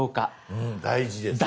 うん大事ですね。